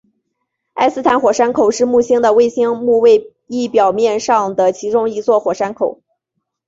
埃斯坦火山口是木星的卫星木卫一表面上的其中一座火山口。